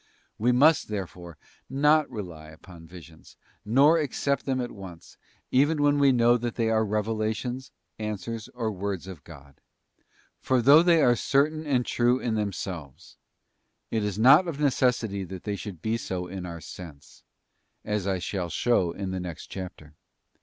We must, therefore, not rely upon visions, nor accept them at once, even when we know " x . YS Ss VISIONS, THOUGH FROM GOD, MAY DECEIVE. 133 that they are revelations, answers, or words of God. For though they are certain and true in themselves, it is not of necessity that they should be so in our sense, as I shall show in the next chapter.